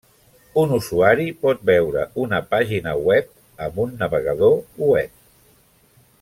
Un usuari pot veure una pàgina web amb un navegador web.